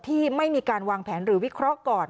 ที่ไม่มีการวางแผนหรือวิเคราะห์ก่อน